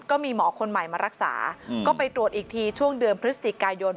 ก็มีหมอคนใหม่มารักษาก็ไปตรวจอีกทีช่วงเดือนพฤศจิกายน